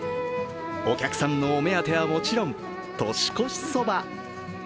お客さんのお目当てはもちろん年越しそば。